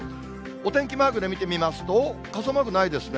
お天気マークで見てみますと、傘マークないですね。